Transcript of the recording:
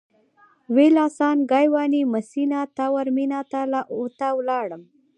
ویلاسان ګایواني مسینا تاورمینا ته ولاړم.